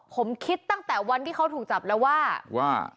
ผมคิดตั้งแต่วันที่เขาถูกจับแล้วว่าว่า